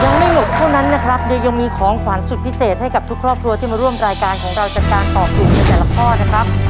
ยังไม่หมดเท่านั้นนะครับโดยยังมีของขวัญสุดพิเศษให้กับทุกครอบครัวที่มาร่วมรายการของเราจากการตอบถูกในแต่ละข้อนะครับ